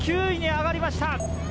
９位に上がりました。